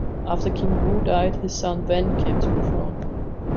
After King Wu died and his son, Wen, came to the throne.